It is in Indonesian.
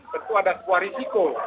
tentu ada sebuah risiko